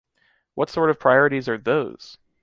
What sort of priorities are those?